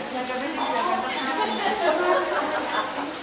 สวัสดีครับวันนี้ผมสวยนะ